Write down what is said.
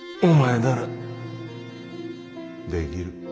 お前ならできる。